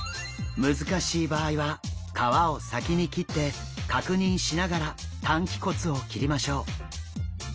難しい場合は皮を先に切って確認しながら担鰭骨を切りましょう。